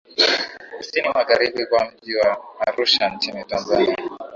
Kusini Magharibi mwa mji wa Arusha nchini Tanzania